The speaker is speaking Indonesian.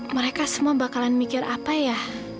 mereka semua bakalan mikir apa ya